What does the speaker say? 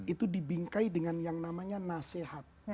itu dibingkai dengan yang namanya nasihat